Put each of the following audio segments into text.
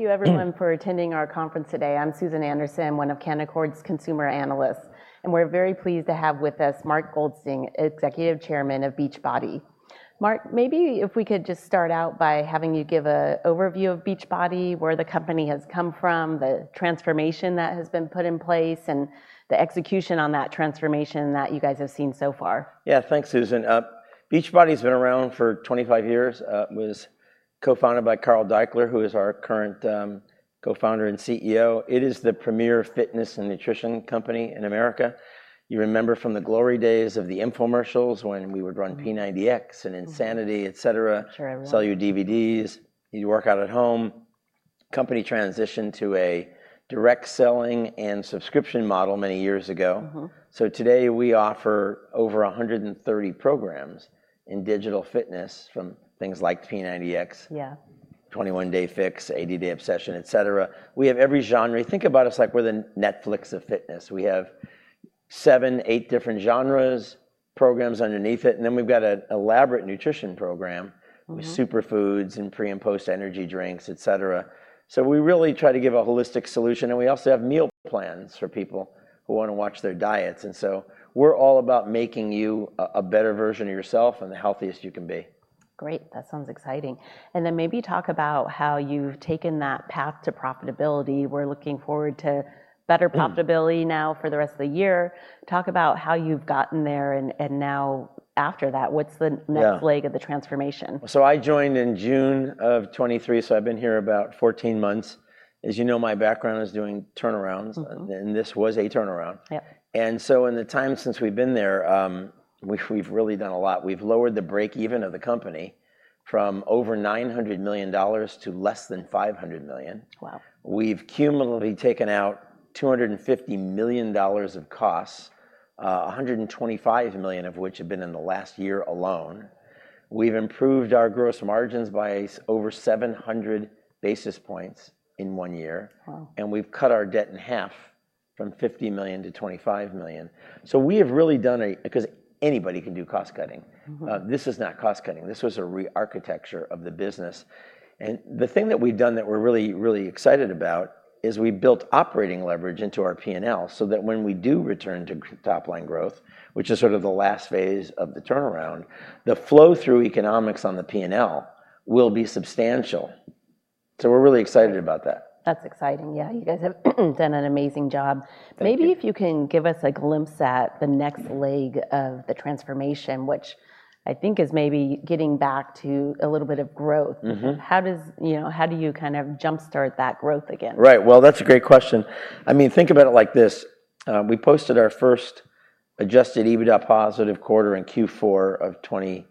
Thank you everyone for attending our conference today. I'm Susan Anderson, one of Canaccord Genuity's consumer analysts, and we're very pleased to have with us Mark Goldston, Executive Chairman of Beachbody. Mark, maybe if we could just start out by having you give a overview of Beachbody, where the company has come from, the transformation that has been put in place, and the execution on that transformation that you guys have seen so far. Yeah, thanks, Susan. Beachbody's been around for 25 years. It was co-founded by Carl Daikeler, who is our current co-founder and CEO. It is the premier fitness and nutrition company in America. You remember from the glory days of the infomercials when we would run P90X and Insanity, et cetera. Sure, I remember. Sell you DVDs, you'd work out at home. Company transitioned to a direct selling and subscription model many years ago. Mm-hmm. Today we offer over 130 programs in digital fitness, from things like P90X Yeah 21 Day Fix, 80 Day Obsession, et cetera. We have every genre. Think about us like we're the Netflix of fitness. We have seven, eight different genres, programs underneath it, and then we've got an elaborate nutrition program- Mm With superfoods and pre and post-energy drinks, et cetera. So we really try to give a holistic solution, and we also have meal plans for people who wanna watch their diets. And so we're all about making you a better version of yourself and the healthiest you can be. Great, that sounds exciting. Then maybe talk about how you've taken that path to profitability. We're looking forward to better profitability now for the rest of the year. Talk about how you've gotten there, and now after that, what's the next- Yeah Leg of the transformation? So I joined in June of 2023, so I've been here about 14 months. As you know, my background is doing turnarounds- Mm-hmm This was a turnaround. Yep. In the time since we've been there, we've really done a lot. We've lowered the break-even of the company from over $900 million to less than $500 million. Wow! We've cumulatively taken out $250 million of costs, $125 million of which have been in the last year alone. We've improved our gross margins by over 700 basis points in one year. Wow! We've cut our debt in half from $50 million to $25 million. So we have really done a.... Because anybody can do cost cutting. Mm-hmm. This is not cost cutting. This was a re-architecture of the business, and the thing that we've done that we're really, really excited about is we built operating leverage into our P&L, so that when we do return to top-line growth, which is sort of the last phase of the turnaround, the flow-through economics on the P&L will be substantial. So we're really excited about that. That's exciting. Yeah, you guys have done an amazing job. Maybe if you can give us a glimpse at the next leg of the transformation, which I think is maybe getting back to a little bit of growth. Mm-hmm. How does... You know, how do you kind of jumpstart that growth again? Right. Well, that's a great question. I mean, think about it like this: we posted our first Adjusted EBITDA positive quarter in Q4 of 2023.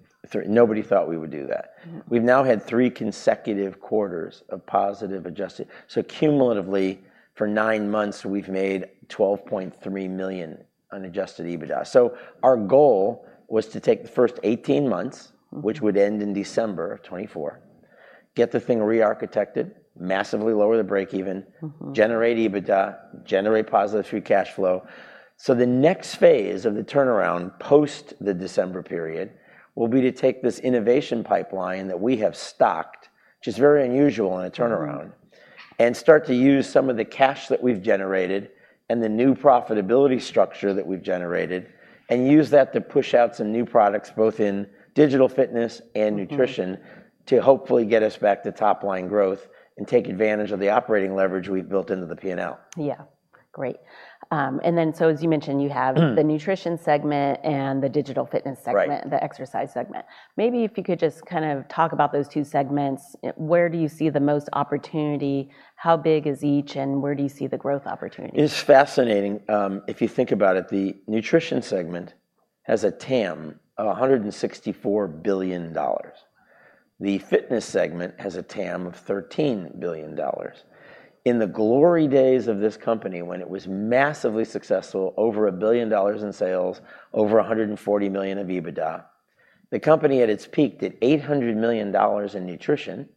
Nobody thought we would do that. We've now had three consecutive quarters of positive adjusted. So cumulatively, for nine months, we've made $12.3 million unadjusted EBITDA. So our goal was to take the first 18 months which would end in December of 2024, get the thing re-architected, massively lower the break even- Mm-hmm Generate EBITDA, generate positive free cash flow. So the next phase of the turnaround, post the December period, will be to take this innovation pipeline that we have stocked, which is very unusual in a turnaround and start to use some of the cash that we've generated and the new profitability structure that we've generated, and use that to push out some new products, both in digital fitness and nutrition- Mm-hmm To hopefully get us back to top-line growth and take advantage of the operating leverage we've built into the P&L. Yeah. Great. And then, so as you mentioned, you have- Mm The nutrition segment and the digital fitness segment- Right The exercise segment. Maybe if you could just kind of talk about those two segments. Where do you see the most opportunity? How big is each, and where do you see the growth opportunity? It's fascinating. If you think about it, the nutrition segment has a TAM of $164 billion. The fitness segment has a TAM of $13 billion. In the glory days of this company, when it was massively successful, over $1 billion in sales, over $140 million of EBITDA, the company at its peak did $800 million in nutrition,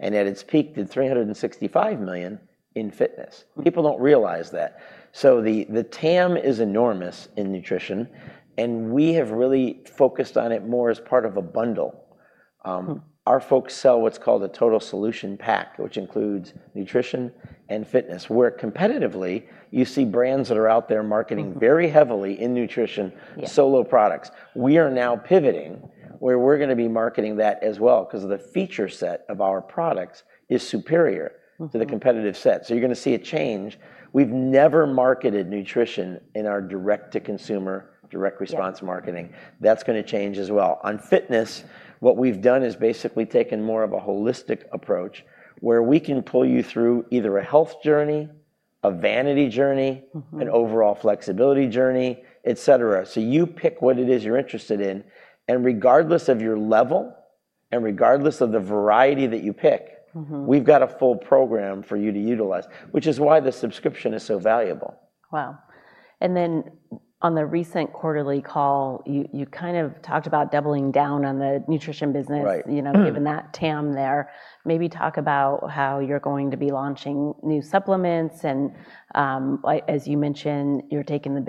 and at its peak, did $365 million in fitness. People don't realize that. So the TAM is enormous in nutrition, and we have really focused on it more as part of a bundle. Our folks sell what's called a Total Solution Pack, which includes nutrition and fitness, where competitively you see brands that are out there marketing very heavily in nutrition- Yeah Solo products. We are now pivoting, where we're gonna be marketing that as well, 'cause the feature set of our products is superior- Mm-hmm To the competitive set. So you're gonna see a change. We've never marketed nutrition in our direct-to-consumer, direct-response marketing. That's gonna change as well. On fitness, what we've done is basically taken more of a holistic approach, where we can pull you through either a health journey, a vanity journey- Mm-hmm An overall flexibility journey, et cetera. So you pick what it is you're interested in, and regardless of your level, and regardless of the variety that you pick- Mm-hmm We've got a full program for you to utilize, which is why the subscription is so valuable. Wow! And then on the recent quarterly call, you kind of talked about doubling down on the nutrition business- Right. You know, given that TAM there. Maybe talk about how you're going to be launching new supplements, and, like, as you mentioned, you're taking the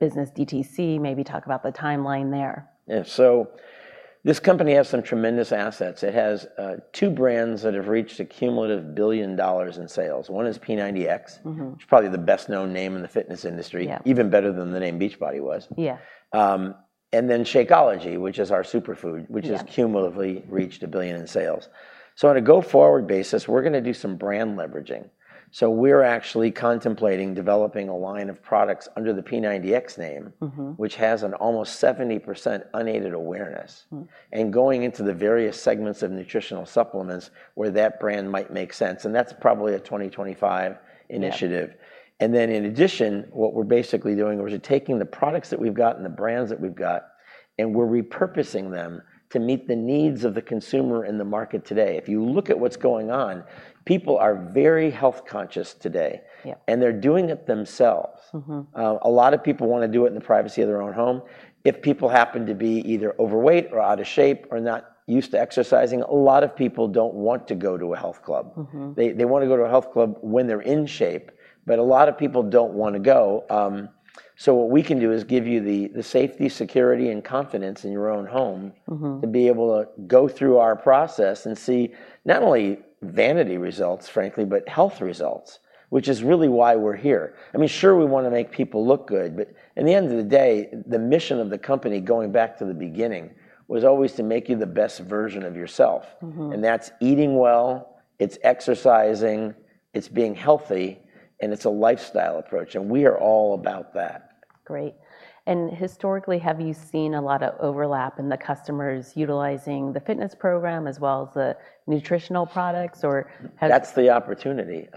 business DTC, maybe talk about the timeline there. Yeah, so this company has some tremendous assets. It has two brands that have reached a cumulative $1 billion in sales. One is P90X Mm-hmm. Which is probably the best-known name in the fitness industry. Yeah. Even better than the name Beachbody was. Yeah. Then Shakeology, which is our superfood- Yeah Which has cumulatively reached $1 billion in sales. So on a go-forward basis, we're gonna do some brand leveraging. So we're actually contemplating developing a line of products under the P90X name Mm-hmm Which has an almost 70% unaided awareness. Mm. Going into the various segments of nutritional supplements where that brand might make sense, and that's probably a 2025 initiative. And then, in addition, what we're basically doing is we're taking the products that we've got and the brands that we've got, and we're repurposing them to meet the needs of the consumer in the market today. If you look at what's going on, people are very health conscious today. Yeah They're doing it themselves. Mm-hmm. A lot of people wanna do it in the privacy of their own home. If people happen to be either overweight or out of shape or not used to exercising, a lot of people don't want to go to a health club. Mm-hmm. They wanna go to a health club when they're in shape, but a lot of people don't wanna go. So what we can do is give you the safety, security, and confidence in your own home. Mm-hmm To be able to go through our process and see, not only vanity results, frankly, but health results, which is really why we're here. I mean, sure, we wanna make people look good, but in the end of the day, the mission of the company, going back to the beginning, was always to make you the best version of yourself. Mm-hmm. That's eating well, it's exercising, it's being healthy, and it's a lifestyle approach, and we are all about that. Great. Historically, have you seen a lot of overlap in the customers utilizing the fitness program as well as the nutritional products, or has- That's the opportunity.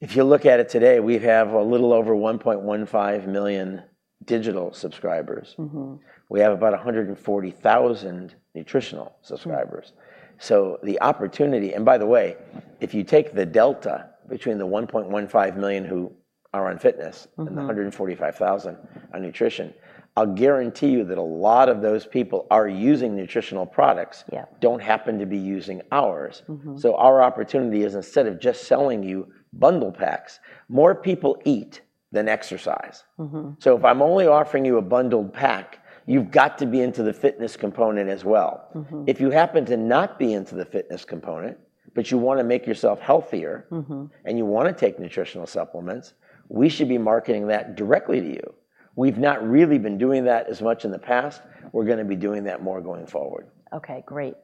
If you look at it today, we have a little over 1.15 million digital subscribers. Mm-hmm. We have about 140,000 nutritional subscribers. So the opportunity... And by the way, if you take the delta between the 1.15 million who are on fitness- Mm-hmm The 145,000 on nutrition, I'll guarantee you that a lot of those people are using nutritional products- Yeah Don't happen to be using ours. Mm-hmm. Our opportunity is, instead of just selling you bundle packs, more people eat than exercise. Mm-hmm. So if I'm only offering you a bundled pack, you've got to be into the fitness component as well. Mm-hmm. If you happen to not be into the fitness component, but you wanna make yourself healthier- Mm-hmm You wanna take nutritional supplements, we should be marketing that directly to you. We've not really been doing that as much in the past. We're gonna be doing that more going forward. Okay, great.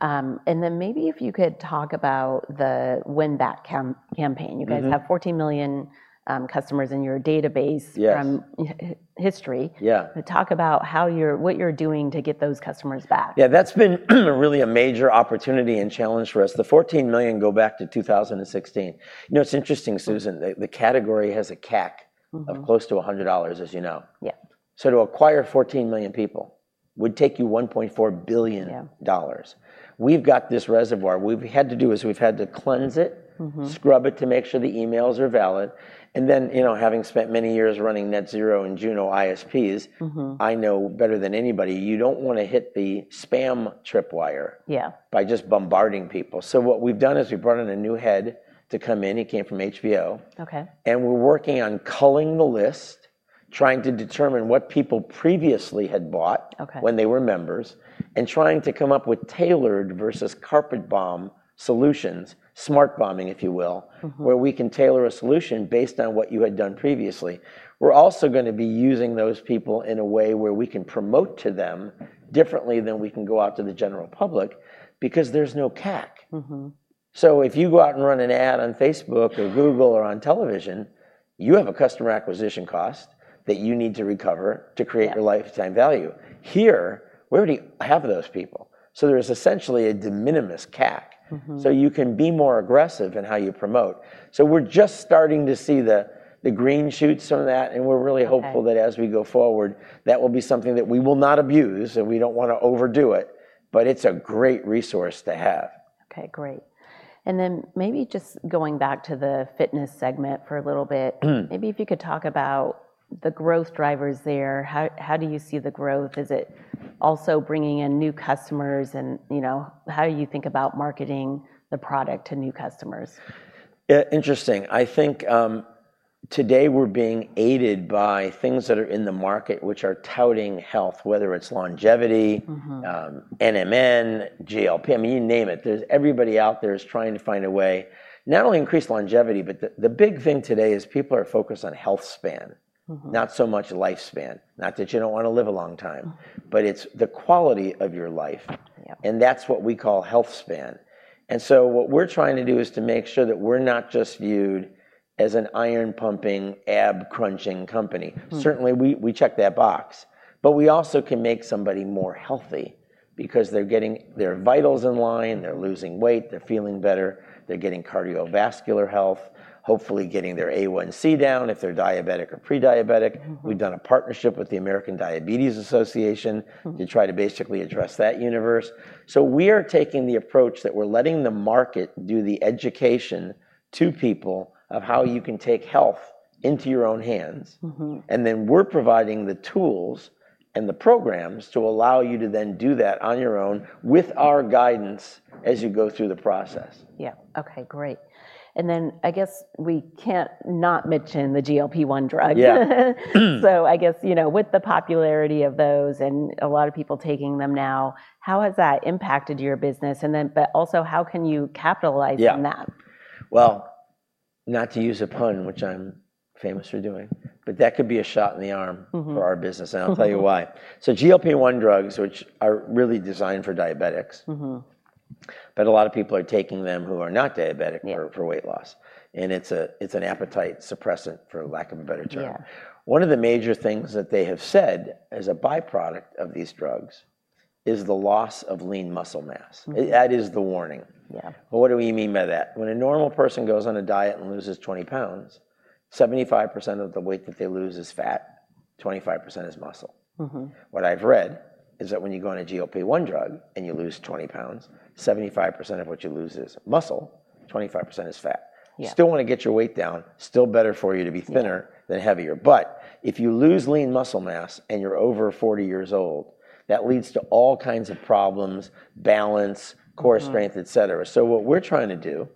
And then maybe if you could talk about the win-back campaign. Mm-hmm. You guys have 14 million customers in your database- Yeah From history. Yeah. Talk about how you're, what you're doing to get those customers back. Yeah, that's been really a major opportunity and challenge for us. The 14 million go back to 2016. You know, it's interesting, Susan, the category has a CAC- Mm-hmm Of close to $100, as you know. Yeah. To acquire 14 million people would take you $1.4 billion. Yeah. We've got this reservoir. What we've had to do is we've had to cleanse it- Mm-hmm Scrub it to make sure the emails are valid, and then, you know, having spent many years running NetZero and Juno ISPs. Mm-hmm I know better than anybody, you don't wanna hit the spam tripwire- Yeah By just bombarding people. So what we've done is we've brought in a new head to come in. He came from HBO. Okay. We're working on culling the list, trying to determine what people previously had bought. Okay When they were members, and trying to come up with tailored versus carpet bomb solutions, smart bombing, if you will- Mm-hmm Where we can tailor a solution based on what you had done previously. We're also gonna be using those people in a way where we can promote to them differently than we can go out to the general public, because there's no CAC. Mm-hmm. So if you go out and run an ad on Facebook or Google or on television, you have a customer acquisition cost that you need to recover to create- Yeah A lifetime value. Here, we already have those people, so there's essentially a de minimis CAC. Mm-hmm. So you can be more aggressive in how you promote. So we're just starting to see the green shoots from that, and we're really hopeful- Okay That as we go forward, that will be something that we will not abuse, and we don't wanna overdo it, but it's a great resource to have. Okay, great. And then maybe just going back to the fitness segment for a little bit- Mm. Maybe if you could talk about the growth drivers there. How do you see the growth? Is it also bringing in new customers and, you know, how you think about marketing the product to new customers? Yeah, interesting. I think, today we're being aided by things that are in the market which are touting health, whether it's longevity- Mm-hmm NMN, GLP, I mean, you name it. There's... Everybody out there is trying to find a way, not only increase longevity, but the big thing today is people are focused on health span- Mm-hmm Not so much lifespan. Not that you don't wanna live a long time- Mm It's the quality of your life. Yeah. That's what we call health span. What we're trying to do is to make sure that we're not just viewed as an iron-pumping, ab-crunching company. Certainly, we check that box, but we also can make somebody more healthy, because they're getting their vitals in line, they're losing weight, they're feeling better, they're getting cardiovascular health, hopefully getting their A1C down if they're diabetic or pre-diabetic. We've done a partnership with the American Diabetes Association to try to basically address that universe. So we are taking the approach that we're letting the market do the education to people of how you can take health into your own hands. Mm-hmm. Then we're providing the tools and the programs to allow you to then do that on your own with our guidance as you go through the process. Yeah. Okay, great, and then I guess we can't not mention the GLP-1 drug. Yeah. So I guess, you know, with the popularity of those and a lot of people taking them now, how has that impacted your business? And then but also, how can you capitalize on that? Yeah. Well, not to use a pun, which I'm famous for doing, but that could be a shot in the arm- Mm-hmm For our business, and I'll tell you why. So GLP-1 drugs, which are really designed for diabetics- Mm-hmm A lot of people are taking them who are not diabetic- Yeah For weight loss, and it's an appetite suppressant, for lack of a better term. Yeah. One of the major things that they have said as a by-product of these drugs is the loss of lean muscle mass. Mm. That is the warning. Yeah. Well, what do we mean by that? When a normal person goes on a diet and loses 20 lbs, 75% of the weight that they lose is fat, 25% is muscle. Mm-hmm. What I've read is that when you go on a GLP-1 drug and you lose 20 lbs, 75% of what you lose is muscle, 25% is fat. Yeah. You still want to get your weight down, still better for you to be thinner than heavier, but if you lose lean muscle mass and you're over 40 years old, that leads to all kinds of problems: balance, core strength, et cetera. So what we're trying to do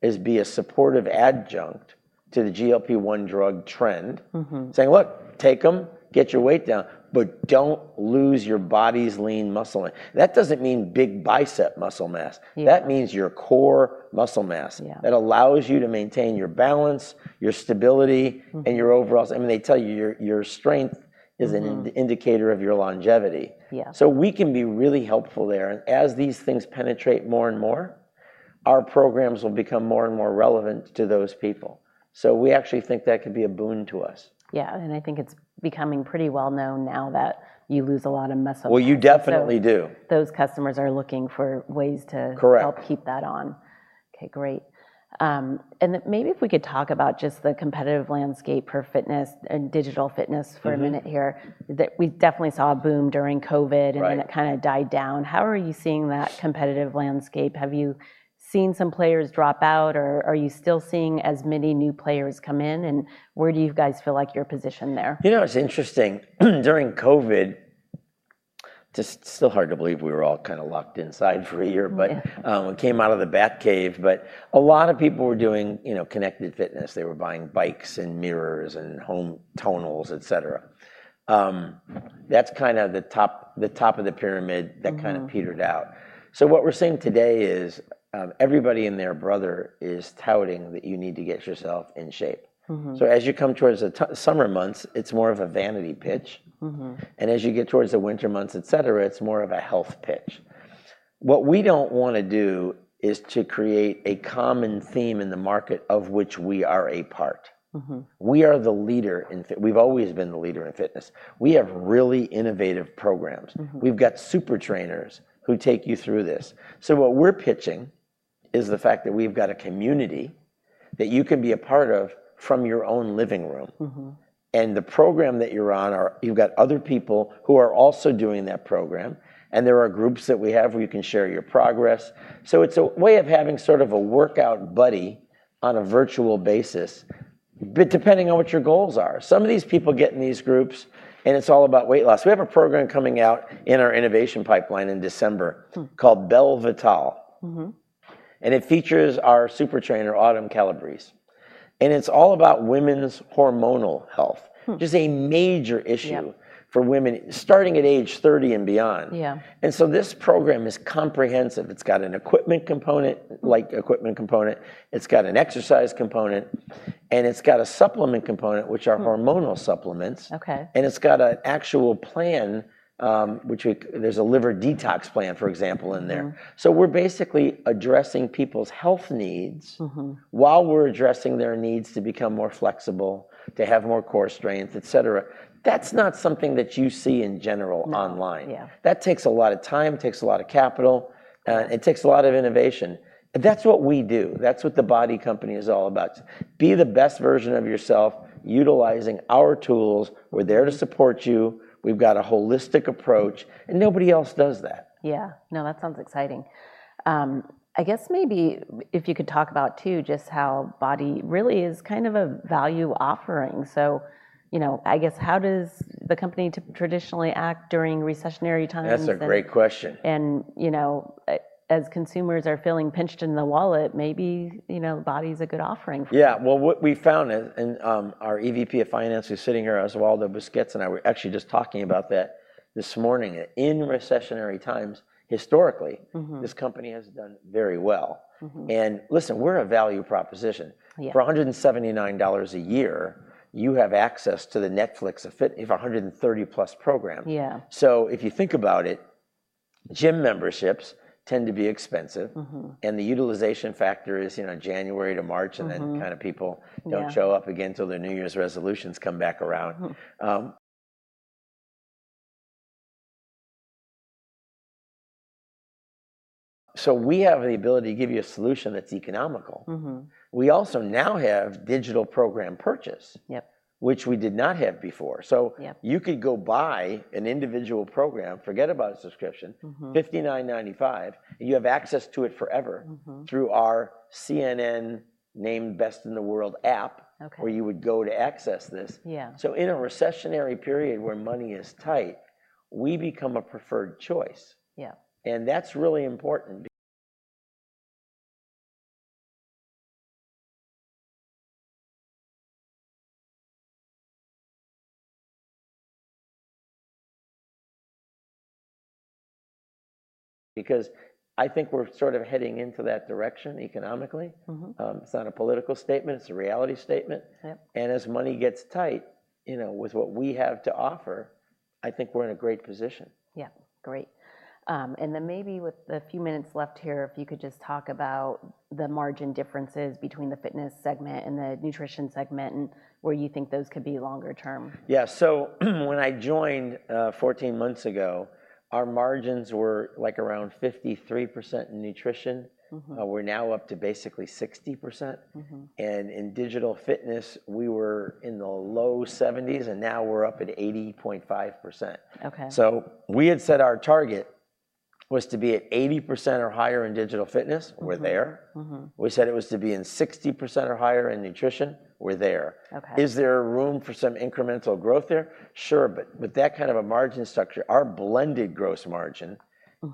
is be a supportive adjunct to the GLP-1 drug trend. Mm-hmm. Saying, "Look, take them, get your weight down, but don't lose your body's lean muscle." That doesn't mean big bicep muscle mass. Yeah. That means your core muscle mass- Yeah That allows you to maintain your balance, your stability- Mm-hmm And your overall... I mean, they tell you your strength is an indicator of your longevity. Yeah. So we can be really helpful there, and as these things penetrate more and more, our programs will become more and more relevant to those people. So we actually think that could be a boon to us. Yeah, and I think it's becoming pretty well known now that you lose a lot of muscle mass. Well, you definitely do. Those customers are looking for ways to- Correct Help keep that on. Okay, great. And then maybe if we could talk about just the competitive landscape for fitness and digital fitness- Mm-hmm For a minute here. That we definitely saw a boom during COVID- Right Then it kind of died down. How are you seeing that competitive landscape? Have you seen some players drop out, or are you still seeing as many new players come in, and where do you guys feel like you're positioned there? You know, it's interesting. During COVID, just still hard to believe we were all kind of locked inside for a year, but- Yeah We came out of the bat cave, but a lot of people were doing, you know, connected fitness. They were buying bikes and mirrors and home Tonals, et cetera. That's kind of the top, the top of the pyramid that kind of petered out. So what we're seeing today is, everybody and their brother is touting that you need to get yourself in shape. Mm-hmm. So as you come towards the summer months, it's more of a vanity pitch. Mm-hmm. As you get towards the winter months, et cetera, it's more of a health pitch. What we don't want to do is to create a common theme in the market of which we are a part. Mm-hmm. We are the leader in fitness. We've always been the leader in fitness. We have really innovative programs. Mm-hmm. We've got Super trainers who take you through this. So what we're pitching is the fact that we've got a community that you can be a part of from your own living room. Mm-hmm. The program that you're on, you've got other people who are also doing that program, and there are groups that we have where you can share your progress. So it's a way of having sort of a workout buddy on a virtual basis, but depending on what your goals are. Some of these people get in these groups, and it's all about weight loss. We have a program coming out in our innovation pipeline in December called Belle Vitale. Mm-hmm. It features our Super Trainer, Autumn Calabrese, and it's all about women's hormonal health. Mm Which is a major issue. Yeah For women starting at age 30 and beyond. Yeah. This program is comprehensive. It's got an equipment component, it's got an exercise component, and it's got a supplement component, which are- Mm Hormonal supplements. Okay. It's got an actual plan, which there's a liver detox plan, for example, in there. Mm. We're basically addressing people's health needs. Mm-hmm While we're addressing their needs to become more flexible, to have more core strength, et cetera. That's not something that you see in general online. No. Yeah. That takes a lot of time, takes a lot of capital, it takes a lot of innovation, but that's what we do. That's what the BODi company is all about. Be the best version of yourself, utilizing our tools. We're there to support you. We've got a holistic approach, and nobody else does that. Yeah. No, that sounds exciting. I guess maybe if you could talk about, too, just how BODi really is kind of a value offering. So, you know, I guess how does the company traditionally act during recessionary times, and- That's a great question. You know, as consumers are feeling pinched in the wallet, maybe, you know, BODi's a good offering for them. Yeah, well, what we found and our EVP of Finance, who's sitting here, Oswaldo Busquets, and I were actually just talking about that this morning. In recessionary times, historically- Mm-hmm This company has done very well. Mm-hmm. Listen, we're a value proposition. Yeah. For $179 a year, you have access to the Netflix of 130+ programs. Yeah. So if you think about it, gym memberships tend to be expensive. Mm-hmm. And the utilization factor is, you know, January to March- Mm-hmm And then kind of people- Yeah Don't show up again till their New Year's resolutions come back around. Mm-hmm. So we have the ability to give you a solution that's economical. Mm-hmm. We also now have digital program purchase- Yep. Which we did not have before. Yep. So you could go buy an individual program, forget about a subscription- Mm-hmm. $59.95, and you have access to it forever- Mm-hmm. Through our CNN-named Best in the World app- Okay. Where you would go to access this. Yeah. In a recessionary period where money is tight, we become a preferred choice. Yeah. And that's really important. Because I think we're sort of heading into that direction economically. Mm-hmm. It's not a political statement, it's a reality statement. Yep. As money gets tight, you know, with what we have to offer, I think we're in a great position. Yeah. Great. And then maybe with the few minutes left here, if you could just talk about the margin differences between the fitness segment and the nutrition segment, and where you think those could be longer term. Yeah, so when I joined, 14 months ago, our margins were, like, around 53% in nutrition. Mm-hmm. We're now up to basically 60%. Mm-hmm. In digital fitness, we were in the low 70s, and now we're up at 80.5%. Okay. We had set our target was to be at 80% or higher in digital fitness, we're there. Mm-hmm. We said it was to be in 60% or higher in nutrition. We're there. Okay. Is there room for some incremental growth there? Sure, but with that kind of a margin structure, our blended gross margin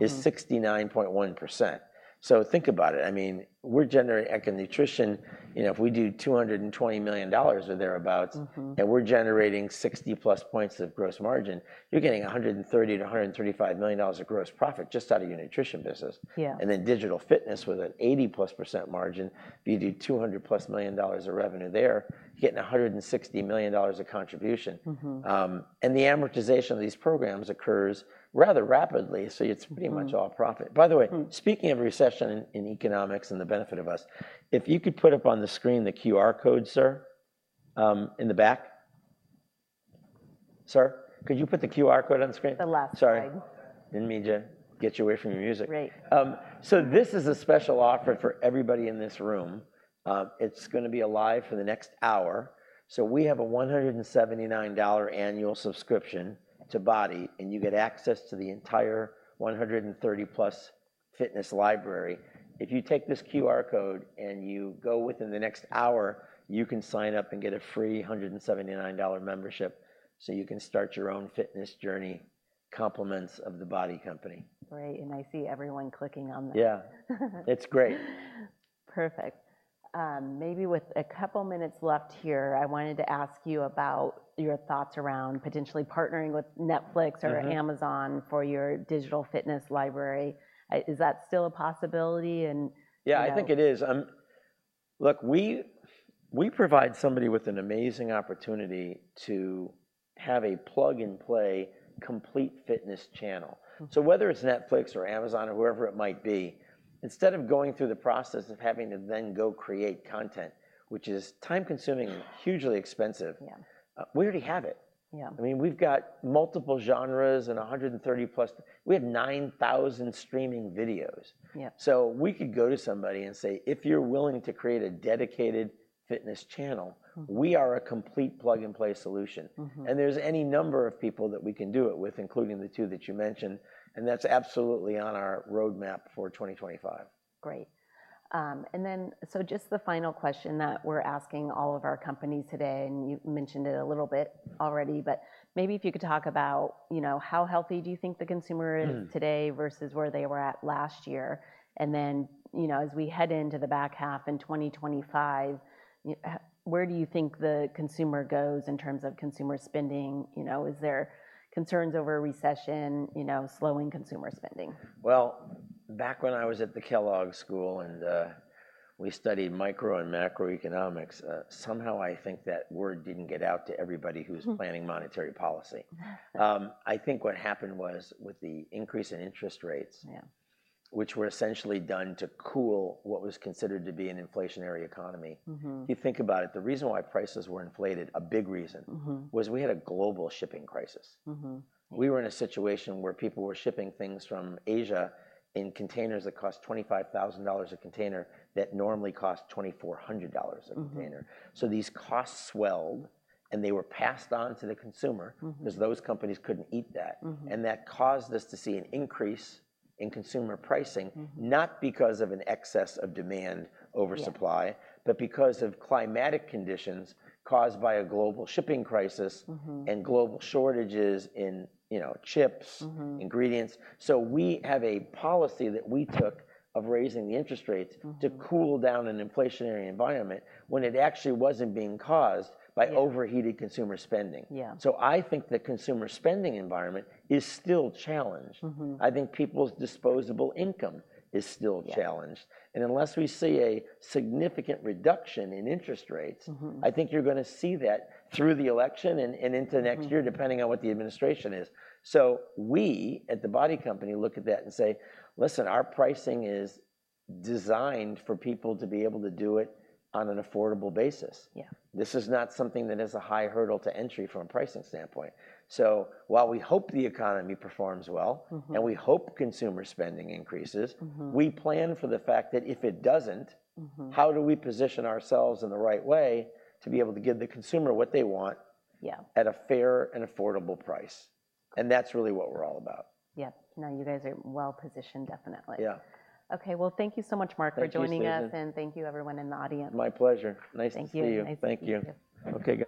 is 69.1%. So think about it, I mean, we're generating eco nutrition, you know, if we do $220 million or thereabout- Mm-hmm We're generating 60+ points of gross margin, you're getting $130 million-$135 million of gross profit just out of your nutrition business. Yeah. And then digital fitness with an 80%+ margin, if you do $200+ million of revenue there, you're getting $160 million of contribution. Mm-hmm. The amortization of these programs occurs rather rapidly, so it's pretty much all profit. By the way speaking of recession in economics and the benefit of us, if you could put up on the screen the QR code, sir, in the back. Sir, could you put the QR code on the screen? The last slide. Sorry. Didn't mean to get you away from your music. Great. This is a special offer for everybody in this room. It's gonna be live for the next hour. We have a $179 annual subscription to BODi, and you get access to the entire 130+ fitness library. If you take this QR code and you go within the next hour, you can sign up and get a free $179 membership, so you can start your own fitness journey, compliments of the BODi company. Great, and I see everyone clicking on that. Yeah. It's great. Perfect. Maybe with a couple minutes left here, I wanted to ask you about your thoughts around potentially partnering with Netflix? Mm-hmm... or Amazon for your digital fitness library. Is that still a possibility? And, you know- Yeah, I think it is. Look, we provide somebody with an amazing opportunity to have a plug-and-play complete fitness channel. So whether it's Netflix or Amazon or whoever it might be, instead of going through the process of having to then go create content, which is time-consuming and hugely expensive- Yeah We already have it. Yeah. I mean, we've got multiple genres and 130+. We have 9,000 streaming videos. Yeah. So we could go to somebody and say, "If you're willing to create a dedicated fitness channel we are a complete plug-and-play solution. Mm-hmm. There's any number of people that we can do it with, including the two that you mentioned, and that's absolutely on our roadmap for 2025. Great. And then, so just the final question that we're asking all of our companies today, and you've mentioned it a little bit already, but maybe if you could talk about, you know, how healthy do you think the consumer is today versus where they were at last year? And then, you know, as we head into the back half in 2025, where do you think the consumer goes in terms of consumer spending? You know, is there concerns over recession, you know, slowing consumer spending? Well, back when I was at the Kellogg School, and we studied micro and macroeconomics, somehow I think that word didn't get out to everybody who was planning monetary policy. I think what happened was, with the increase in interest rates- Yeah Which were essentially done to cool what was considered to be an inflationary economy. Mm-hmm. If you think about it, the reason why prices were inflated, a big reason- Mm-hmm Was we had a global shipping crisis. Mm-hmm. We were in a situation where people were shipping things from Asia in containers that cost $25,000 a container, that normally cost $2,400 a container. Mm-hmm. So these costs swelled, and they were passed on to the consumer. Mm-hmm Because those companies couldn't eat that. Mm-hmm. That caused us to see an increase in consumer pricing not because of an excess of demand over supply but because of climatic conditions caused by a global shipping crisis- Mm-hmm And global shortages in, you know, chips- Mm-hmm Ingredients. We have a policy that we took of raising the interest rates to cool down an inflationary environment, when it actually wasn't being caused by overheated consumer spending. Yeah. I think the consumer spending environment is still challenged. Mm-hmm. I think people's disposable income is still challenged. Unless we see a significant reduction in interest rates- Mm-hmm I think you're gonna see that through the election and into next year depending on what the administration is. So we, at the BODi Company, look at that and say, "Listen, our pricing is designed for people to be able to do it on an affordable basis. Yeah. This is not something that is a high hurdle to entry from a pricing standpoint. So while we hope the economy performs well- Mm-hmm We hope consumer spending increases- Mm-hmm We plan for the fact that if it doesn't- Mm-hmm How do we position ourselves in the right way to be able to give the consumer what they want? Yeah At a fair and affordable price? And that's really what we're all about. Yeah. No, you guys are well-positioned, definitely. Yeah. Okay. Well, thank you so much, Mark- Thank you, Susan. For joining us, and thank you everyone in the audience. My pleasure. Nice to see you. Thank you. Okay, guys.